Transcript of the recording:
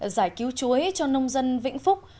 giải cứu chuối cho nông dân vĩnh phúc